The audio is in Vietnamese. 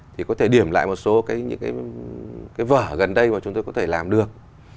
thì có thể điểm lại một số những cái vở gần đây mà chúng tôi có thể làm được